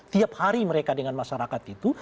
tiap hari mereka dengan masyarakat itu